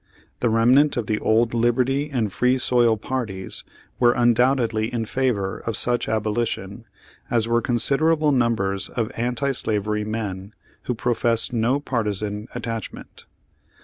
The remnant of the old Liberty and Free Soil parties were undoubtedly in favor of such abolition, as were considerable numbers of anti slavery men, who professed no partisan attachment.